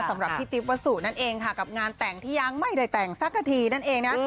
สำหรับพี่จิ๊บวัสสุนั่นเองค่ะกับงานแต่งที่ยังไม่ได้แต่งสักทีนั่นเองนะ